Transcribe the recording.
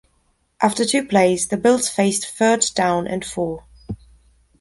After two plays, the Bills faced third down and four.